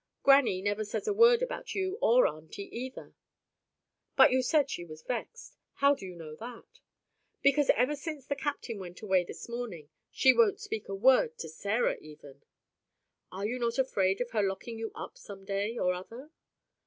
"—Grannie never says a word about you or auntie either." "But you said she was vexed: how do you know that?" "Because ever since the captain went away this morning, she won't speak a word to Sarah even." "Are you not afraid of her locking you up some day or other?"